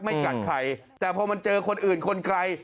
กัดใครแต่พอมันเจอคนอื่นคนไกล